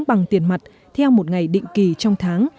bằng tiền mặt theo một ngày định kỳ trong tháng